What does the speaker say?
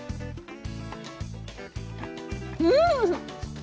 うん！